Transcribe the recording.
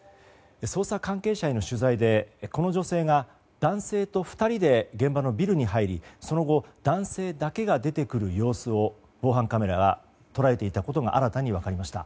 捜査関係者への取材でこの女性が男性と２人で現場のビルに入りその後男性だけが出てくる様子を防犯カメラが捉えていたことが新たに分かりました。